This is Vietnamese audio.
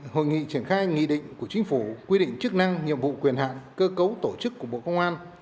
hội nghị triển khai nghị định của chính phủ quy định chức năng nhiệm vụ quyền hạn cơ cấu tổ chức của bộ công an